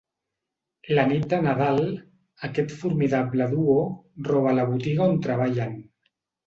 La nit de Nadal, aquest formidable duo roba la botiga on treballen.